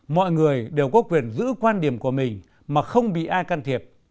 mọi người đều có quyền giữ quan điểm của mình mà không bị ai can thiệp